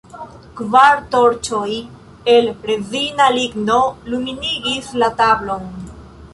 Kvar torĉoj el rezina ligno lumigis la tablon.